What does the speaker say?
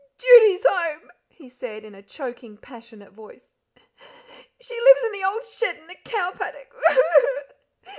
"Judy's home!" he said, in a choking, passionate voice. "She lives in the old shed in the cow, paddock.